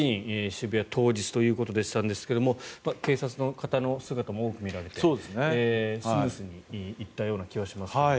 渋谷当日ということだったんですが警察の方の姿も多く見られてスムーズに行ったような気がします。